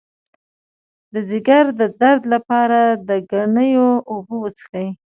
د ځیګر د درد لپاره د ګنیو اوبه وڅښئ